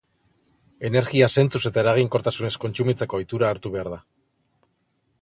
Energia zentzuz eta eraginkortasunez kontsumitzeko ohitura hartu behar da.